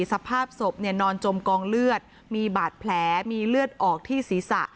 สภาพศพนอนจมกองเลือดมีบาดแผลมีเลือดออกที่ศีรษะ